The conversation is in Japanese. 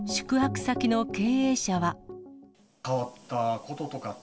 変わったこととか？